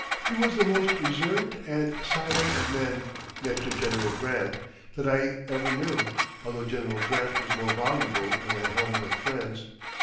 He was the most reserved and silent of men, next to General Grant, that I ever knew, although General Grant was more voluble when at home with friends.